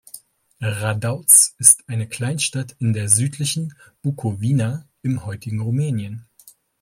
Radautz ist eine Kleinstadt in der südlichen Bukowina im heutigen Rumänien.